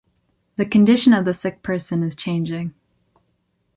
The condition of the sick person is changing.